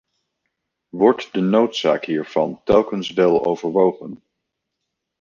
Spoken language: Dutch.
Wordt de noodzaak hiervan telkens wel overwogen?